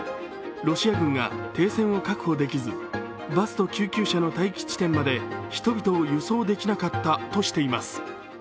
ロシア軍が停戦を確保できずバスと救急車の待機地点まで人々を輸送できなかったとしています。